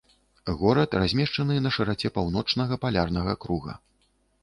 Горад размешчаны на шыраце паўночнага палярнага круга.